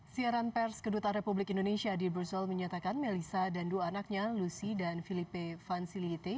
siaran pers kedutaan republik indonesia di brussel menyatakan melissa dan dua anaknya lucy dan filipe van silite